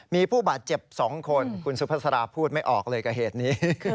มีผู้บาดเจ็บ๒คนคุณสุภาษาราพูดไม่ออกเลยกับเหตุนี้